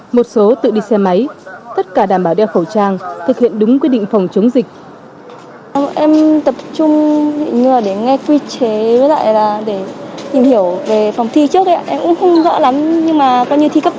một số tự đi xe máy tất cả đảm bảo đeo khẩu trang thực hiện đúng quy định phòng chống dịch